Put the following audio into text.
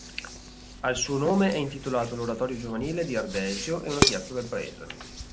Al suo nome è intitolato l'oratorio giovanile di Ardesio e una piazza del paese.